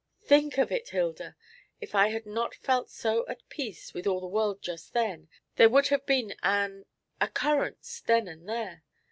Think of it, Hilda! If I had not felt so at peace with all the world just then, there would have been an occurrence then and there.